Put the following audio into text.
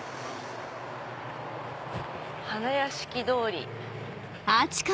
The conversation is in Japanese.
「花やしき通り」。